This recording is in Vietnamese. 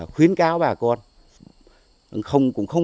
khuyến cáo bà con